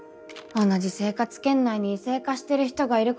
同じ生活圏内に異性化してる人がいること自体。